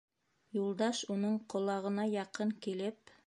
Юлдаш, уның ҡолағына яҡын килеп: